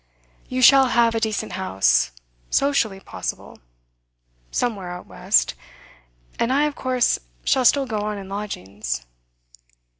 You shall have a decent house socially possible somewhere out west; and I, of course, shall still go on in lodgings.